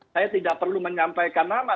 saya tidak perlu menyampaikan nama